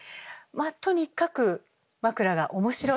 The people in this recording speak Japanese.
とにかく枕が面白い。